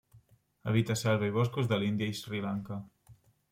Habita selva i boscos de l'Índia i Sri Lanka.